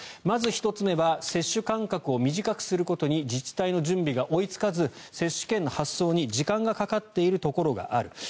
まず１つ目は接種間隔を短くすることに自治体の準備が追いつかず接種券の発送に時間がかかっているところがある。